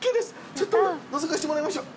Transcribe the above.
ちょっとのぞかせてもらいましょう。